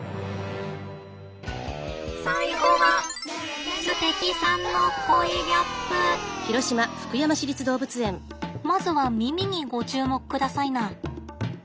最後はまずは耳にご注目くださいな。